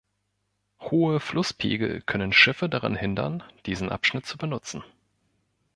Hohe Flusspegel können Schiffe daran hindern, diesen Abschnitt zu benutzen.